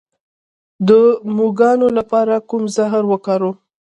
د موږکانو لپاره کوم زهر وکاروم؟